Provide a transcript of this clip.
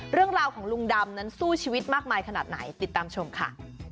เรื่องราวของลุงดำนั้นสู้ชีวิตมากมายขนาดไหนติดตามชมค่ะ